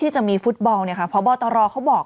ฉันใกล้ผมตกโคน